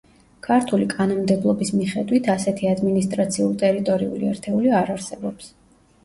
ქართული კანონმდებლობის მიხედვით ასეთი ადმინისტრაციულ-ტერიტორიული ერთეული არ არსებობს.